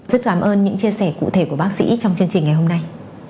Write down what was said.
rất cảm ơn những chia sẻ cụ thể của bác sĩ trong chương trình ngày hôm nay